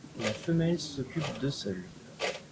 La femelle s'occupe d'eux seule.